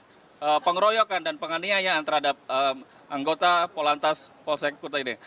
dan ini adalah penggunaan dan penganiayaan terhadap anggota polantas polsek kota ini